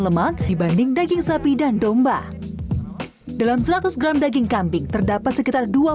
lemak dibanding daging sapi dan domba dalam seratus gram daging kambing terdapat sekitar